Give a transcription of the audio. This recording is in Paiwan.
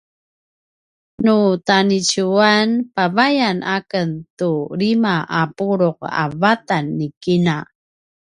nu taniciyuwan pavayan aken tu lima a puluq a vatan ni kina